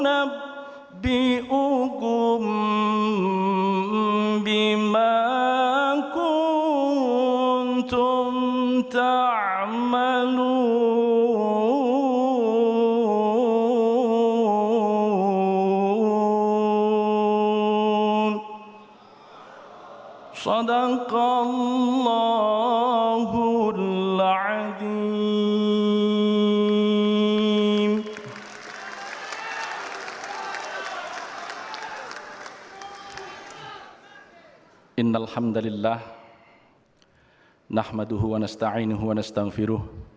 aku ingin bernyanyi